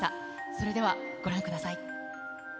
それでは、ご覧ください。